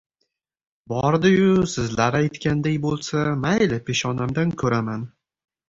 Bordi-yu, sizlar aytganday bo‘lsa, mayli, peshonamdan ko‘raman...